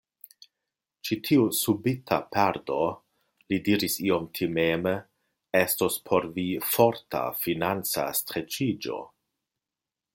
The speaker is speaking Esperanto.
Ĉi tiu subita perdo, li diris iom timeme, estos por vi forta financa streĉiĝo.